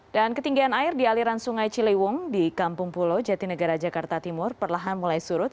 dan ketinggian air di aliran sungai ciliwung di kampung pulo jatinegara jakarta timur perlahan mulai surut